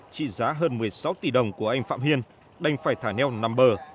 trị giá hơn một mươi sáu tỷ đồng của anh phạm hiên đành phải thả neo nằm bờ